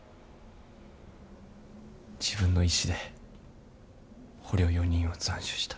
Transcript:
自分の意志で捕虜４人を斬首した。